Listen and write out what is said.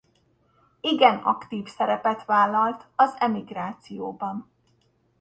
Igen aktív szerepet vállalt az emigrációban.